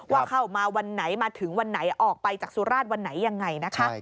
ว่าเข้ามาวันไหนมาถึงวันไหนออกไปจากสุราชวันไหนยังไงนะคะ